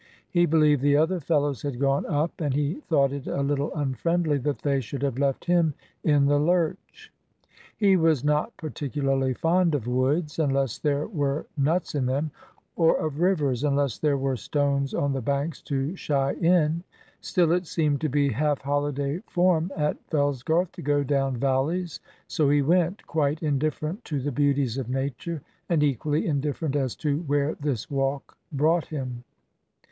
He believed the other fellows had gone up; and he thought it a little unfriendly that they should have left him in the lurch. He was not particularly fond of woods, unless there were nuts in them; or of rivers, unless there were stones on the banks to shy in. Still, it seemed to be half holiday form at Fellsgarth to go down valleys, so he went, quite indifferent to the beauties of Nature, and equally indifferent as to where this walk brought him.